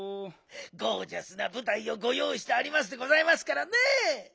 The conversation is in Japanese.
ゴージャスなぶたいをごよういしてありますでございますからね。